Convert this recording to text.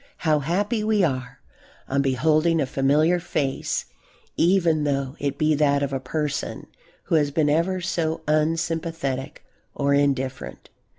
How happy we are on beholding a familiar face even though it be that of a person who has been ever so unsympathetic or indifferent.